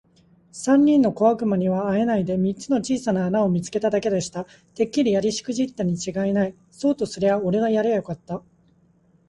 三人の小悪魔にはあえないで、三つの小さな穴を見つけただけでした。「てっきりやりしくじったにちがいない。そうとすりゃおれがやりゃよかった。」